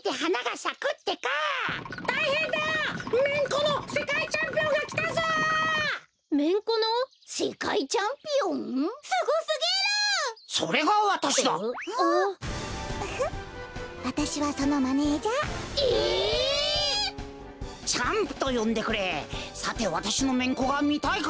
さてわたしのめんこがみたいか？